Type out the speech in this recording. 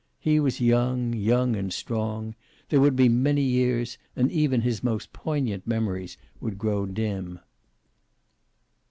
He was young, young and strong. There would be many years, and even his most poignant memories would grow dim.